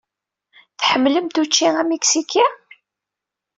Tḥemmlemt učči amiksiki?